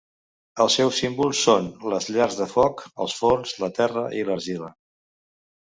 Els seus símbols són les llars de foc, els forns, la terra i l'argila.